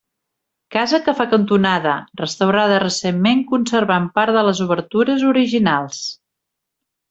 Casa que fa cantonada, restaurada recentment conservant part de les obertures originals.